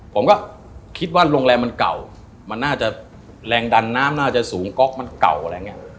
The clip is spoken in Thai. ผมก็คิดว่าโรงแรมมันเก่ามันน่าจะแรงดันน้ำน่าจะสูงก๊อกมันเก่าอะไรอย่างนี้